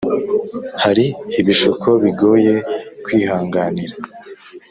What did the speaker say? Hari ibishuko bigoye kwihanganira